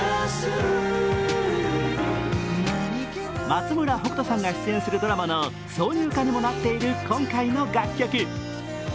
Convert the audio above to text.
松村北斗さんが出演するドラマの挿入歌にもなっている今回の楽曲。